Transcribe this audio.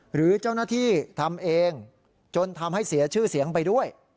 หรือเจ้าหน้าที่ทำเองจนทำให้เสียชื่อเสียงไปด้วย